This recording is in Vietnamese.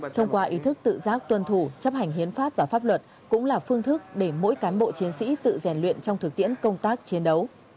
thông qua ý thức tự giác tuân thủ chấp hành hiến pháp và pháp luật cũng là phương thức để mỗi cán bộ chiến sĩ tự rèn luyện trong thực tiễn công tác chiến đấu